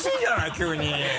急に。